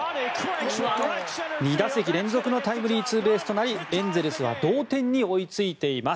２打席連続のタイムリーツーベースとなりエンゼルスは同点に追いついています。